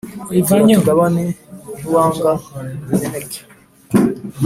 tura tugabane ntiwanga bimeneke